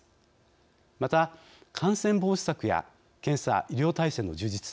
また感染防止策や検査・医療体制の充実